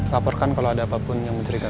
laporkan kalau ada apapun yang menceritakan